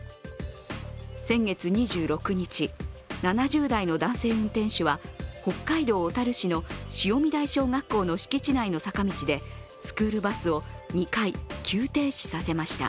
先月２６日、７０代の男性運転手は北海道小樽市の潮見台小学校の敷地内の坂道でスクールバスを２回、急停止させました。